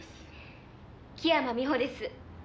「木山美保です」